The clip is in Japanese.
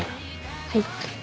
はい？